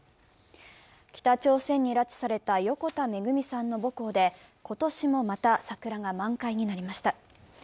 北朝鮮に拉致された横田めぐみさんの母校で今年もまた、桜が満開になりました。